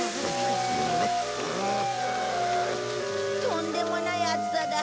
とんでもない熱さだ。